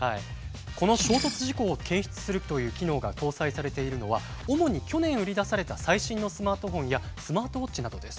この衝突事故を検出するという機能が搭載されているのは主に去年売り出された最新のスマートフォンやスマートウォッチなどです。